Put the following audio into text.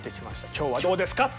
今日はどうですかって。